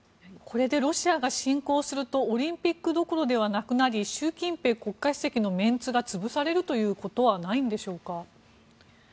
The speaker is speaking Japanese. これでロシアが侵攻するとオリンピックどころではなくなり習近平国家主席のメンツが潰されるということはないんでしょうか。